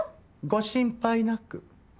ご心配なく。